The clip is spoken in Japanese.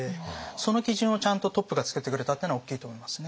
その基準をちゃんとトップが作ってくれたっていうのは大きいと思いますね。